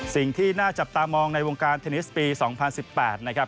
สิ่งที่น่าจับตามองในวงการเทนนิสปี๒๐๑๘นะครับ